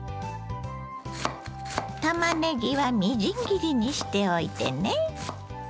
たまねぎはみじん切りにしておいてね。